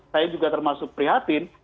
saya juga termasuk prihatin